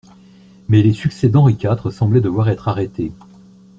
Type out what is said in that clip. Mais les succès d'Henri quatre semblaient devoir être arrêtés.